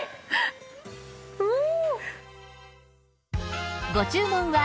うん。